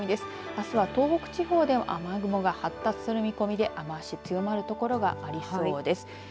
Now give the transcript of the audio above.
あすは東北地方では雨雲が発達する見込みで雨足強まる所がありそうです。